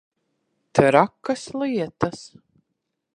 Trakas lietas.